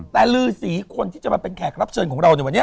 แต่ลือสีคนที่จะมาเป็นแขกรับเชิญของเราในวันนี้